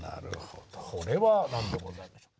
これは何でございましょう？